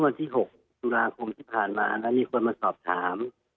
วันที่๖ฯษที่ผ่านมาแล้วมีคนมาตอบถาม